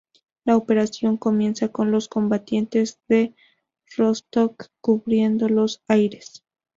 La operación comienza, con los combatientes de Rostock cubriendo los aires.